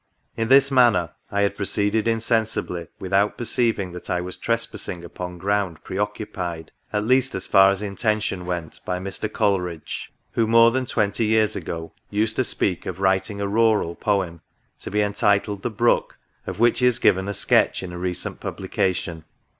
In this manner I had proceeded insensibly, without perceiving that I was tres passing upon ground pre occupied, at least as far as inten tion went, by Mr. Coleridge ; who, more than twenty years ago, used to speak of writing a rural Poem, to be entitled " The Brook," of which he has given a sketch in a recent publication.